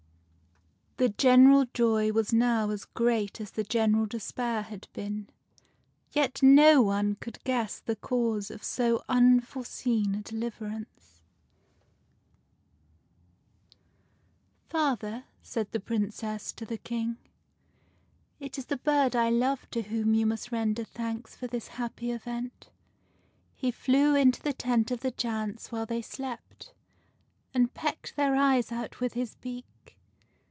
The general joy was now as great as the general despair had been, yet no one could guess the cause of so unforeseen a deliverance. THE PRINCESS BIRDIE 37 " Father," said the Princess to the King, "it is the bird I love to whom you must render thanks for this happy event. He flew into the tent of the giants while they slept, and pecked their eyes out with his beak.